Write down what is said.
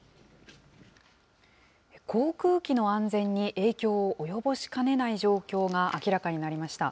航空機の安全に影響を及ぼしかねない状況が明らかになりました。